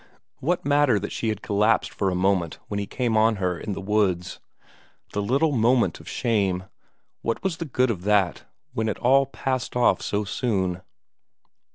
What matter that she had collapsed for a moment when he came on her in the woods; the little moment of shame what was the good of that when it all passed off so soon?